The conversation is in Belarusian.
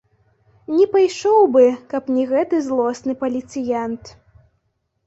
Не пайшоў бы, каб не гэты злосны паліцыянт.